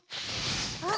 あ！